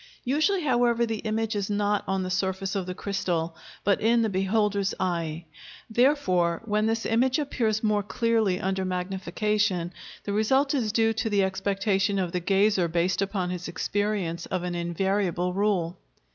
Usually, however, the image is not on the surface of the crystal, but in the beholder's eye; therefore when this image appears more clearly under magnification, the result is due to the expectation of the gazer based upon his experience of an invariable rule.